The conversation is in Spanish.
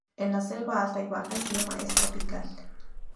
En la selva alta y baja el clima es tropical.